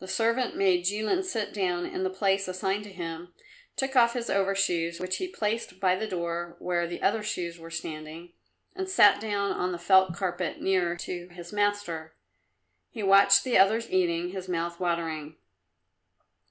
The servant made Jilin sit down in the place assigned to him, took off his overshoes, which he placed by the door where the other shoes were standing, and sat down on the felt carpet, nearer to his master. He watched the others eating, his mouth watering.